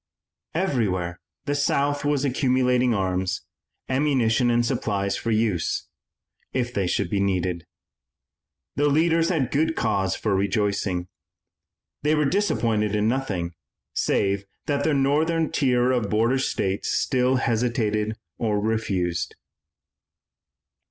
Everywhere the South was accumulating arms, ammunition and supplies for use if they should be needed. The leaders had good cause for rejoicing. They were disappointed in nothing, save that northern tier of border states which still hesitated or refused.